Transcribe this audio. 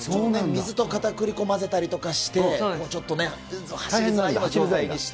水とかたくり粉混ぜたりして、ちょっとね、走りづらい状態にして。